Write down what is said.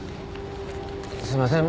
すいません